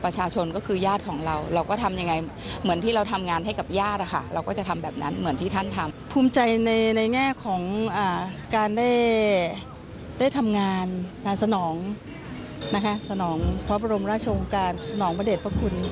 สนองพระบรมราชงการสนองพระเด็จพระคุณ